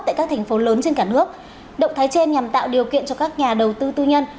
tại các thành phố lớn trên cả nước